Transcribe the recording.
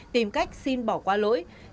tìm cách xin bỏ qua lỗi